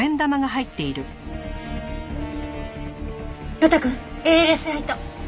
呂太くんＡＬＳライト。